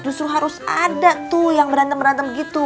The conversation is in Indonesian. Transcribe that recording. justru harus ada tuh yang berantem berantem gitu